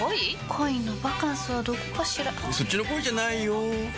恋のバカンスはどこかしらそっちの恋じゃないよ